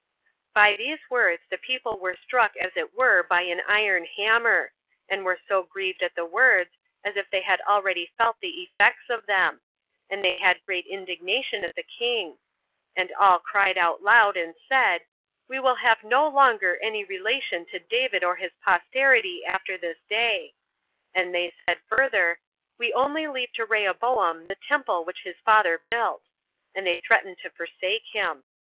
3. By these words the people were struck as it were by an iron hammer, and were so grieved at the words, as if they had already felt the effects of them; and they had great indignation at the king; and all cried out aloud, and said, "We will have no longer any relation to David or his posterity after this day." And they said further, "We only leave to Rehoboam the temple which his father built;" and they threatened to forsake him.